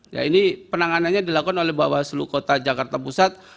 ya ini penanganannya dilakukan oleh bawaslu kota jakarta pusat